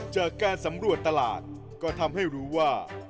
จากการสำรวจตลาดก็ทำให้รู้ว่า